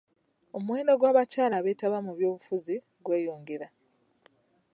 Omuwendo gw'abakyala ebeetaba mu byobufuzi gweyongera.